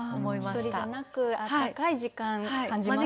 １人じゃなく温かい時間感じますね。